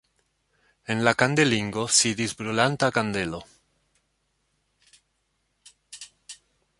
En la kandelingo sidis brulanta kandelo.